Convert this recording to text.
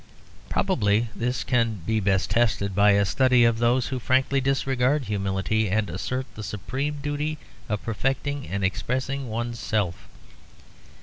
Probably this can best be tested by a study of those who frankly disregard humility and assert the supreme duty of perfecting and expressing one's self.